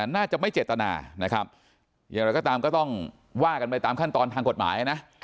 น่าจะไม่เจตนานะครับอย่างไรก็ตามก็ต้องว่ากันไปตามขั้นตอนทางกฎหมายนะ